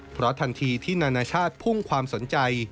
เพราะทันทีที่นานาชาติพุ่งความสนใจ